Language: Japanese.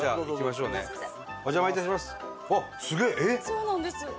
そうなんです。